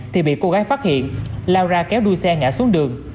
thì bị cô gái phát hiện lao ra kéo đuôi xe ngã xuống đường